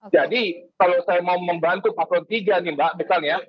jadi kalau saya mau membantu pasukan tiga nih mbak misalnya